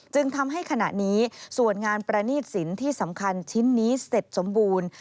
จึงทำให้ขณะนี้ส่วนงานประณีตสินที่สำคัญชิ้นนี้เสร็จสมบูรณ์